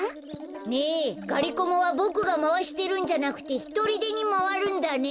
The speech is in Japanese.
ねえがりコマはボクがまわしてるんじゃなくてひとりでにまわるんだね。